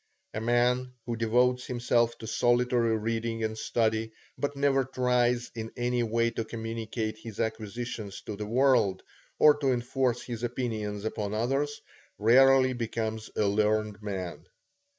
A man who devotes himself to solitary reading and study, but never tries in any way to communicate his acquisitions to the world, or to enforce his opinions upon others, rarely becomes a learned man.